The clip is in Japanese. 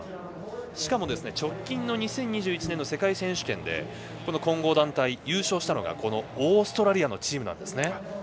しかも、直近の２０２１年の世界選手権でこの混合団体、優勝したのがオーストラリアのチームなんです。